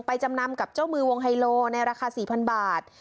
จำนำกับเจ้ามือวงไฮโลในราคา๔๐๐บาท